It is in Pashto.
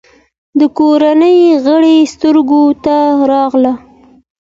د کورنۍ غړي سترګو ته راغلل.